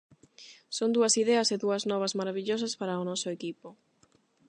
Son dúas ideas e dúas novas marabillosas para o noso equipo.